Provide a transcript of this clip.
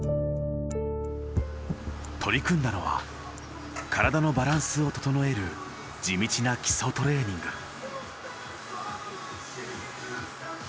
取り組んだのは体のバランスを整える地道な基礎トレーニング。